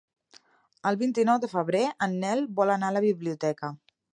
El vint-i-nou de febrer en Nel vol anar a la biblioteca.